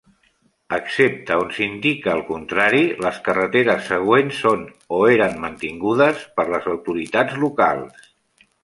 Excepte on s'indica el contrari, les carreteres següents són o eren mantingudes per les autoritats locals.